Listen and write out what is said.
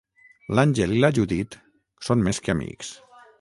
L'Àngel i la Judit són més que amics.